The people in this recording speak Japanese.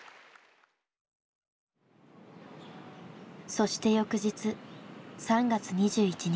そして翌日３月２１日。